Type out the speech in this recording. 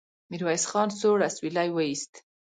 ميرويس خان سوړ اسويلی وايست.